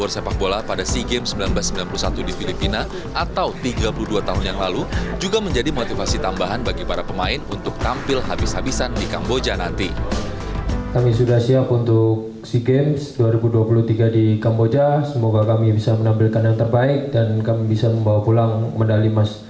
semoga kami bisa menampilkan yang terbaik dan kami bisa membawa pulang medali mas